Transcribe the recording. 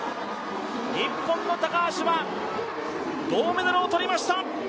日本の高橋は銅メダルを取りました。